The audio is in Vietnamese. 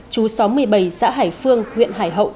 chú xóm một mươi bảy xã hải phương huyện hải hậu